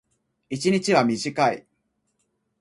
一日は短い。